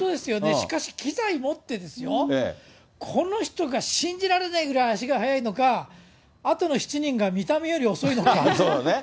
しかし、機材持ってですよ、この人が信じられないぐらい足が速いのか、あとの７人が見た目より遅いのか。